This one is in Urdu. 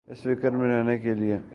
اس فکر میں رہنے کیلئے۔